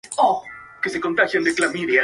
Estamos más que deseosos de regresar a las minas.